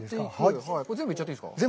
全部行っちゃっていいですか？